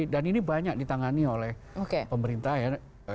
dan ini banyak ditangani oleh pemerintah ya